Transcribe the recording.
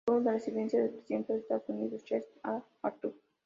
Fue la residencia del presidente de los Estados Unidos Chester A. Arthur.